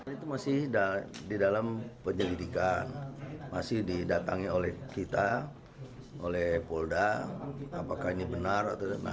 itu masih di dalam penyelidikan masih didatangi oleh kita oleh polda apakah ini benar atau tidak